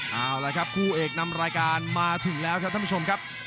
เอาละครับคู่เอกนำรายการมาถึงแล้วครับท่านผู้ชมครับ